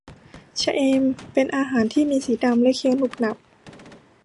ชะเอมเป็นอาหารที่มีสีดำและเคี้ยวหนุบหนับ